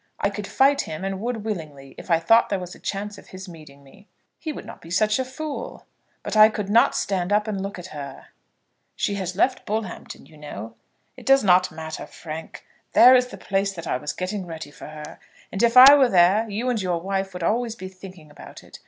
I could fight him, and would willingly, if I thought there was a chance of his meeting me." "He would not be such a fool." "But I could not stand up and look at her." "She has left Bullhampton, you know." "It does not matter, Frank. There is the place that I was getting ready for her. And if I were there, you and your wife would always be thinking about it.